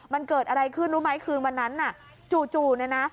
มันเกิดอะไรขึ้นรู้ไหมคืนวันนั้นน่ะจู่เนี่ยนะ